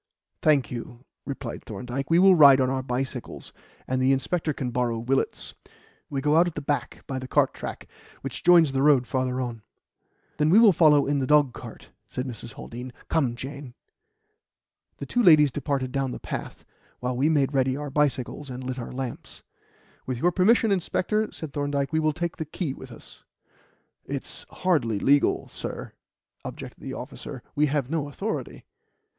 "Thank you," replied Thorndyke. "We will ride on our bicycles, and the inspector can borrow Willett's. We go out at the back by the cart track, which joins the road farther on." "Then we will follow in the dogcart," said Mrs. Haldean. "Come, Jane." The two ladies departed down the path, while we made ready our bicycles and lit our lamps. "With your permission, inspector," said Thorndyke, "we will take the key with us." "It's hardly legal, sir," objected the officer. "We have no authority."